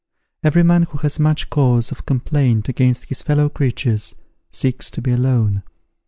Every man who has much cause of complaint against his fellow creatures seeks to be alone.